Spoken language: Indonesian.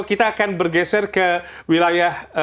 kita akan bergeser ke wilayah